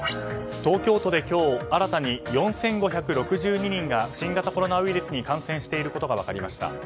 東京都で今日新たに４５６２人が新型コロナウイルスに感染していることが分かりました。